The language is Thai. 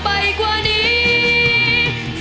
เพราะตัวฉันเพียงไม่อาทัม